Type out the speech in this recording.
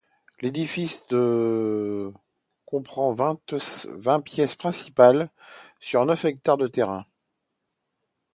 L'édifice de comprend vingt pièces principales, sur neuf hectares de terrain.